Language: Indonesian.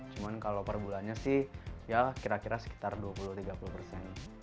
cuma kalau perbulannya sih ya kira kira sekitar dua puluh tiga puluh persen